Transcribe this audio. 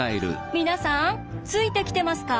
皆さんついてきてますか？